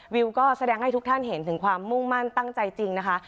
วิวก็แสดงให้ทุกท่านเห็นถึงความมุ่งมั่นตั้งใจจริงนะคะ